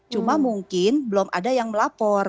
cuma mungkin belum ada yang melapor